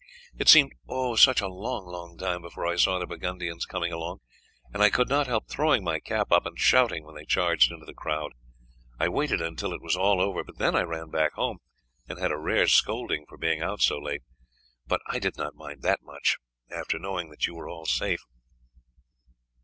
It seemed, oh, such a long, long time before I saw the Burgundians coming along, and I could not help throwing my cap up and shouting when they charged into the crowd. I waited until it was all over, and then I ran back home and had a rare scolding for being out so late; but I did not mind that much, after knowing that you were all safe."